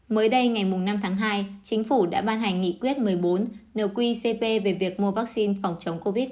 mới đây ngày năm tháng hai chính phủ đã ban hành nghị quyết một mươi bốn nợ quy cp về việc mua vaccine phòng chống covid